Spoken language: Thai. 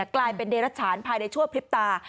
กลายเป็นเดรัชฉานภายในชั่วพริบตา